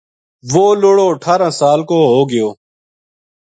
وہ لُڑو اٹھارہ سال کو ہو گیو